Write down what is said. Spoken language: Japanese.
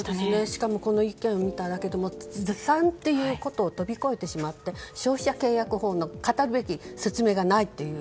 しかもこの１件を見ただけでもずさんということを飛び越えてしまって消費者契約法の語るべき説明がないという。